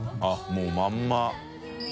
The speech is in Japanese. もうまんまだ。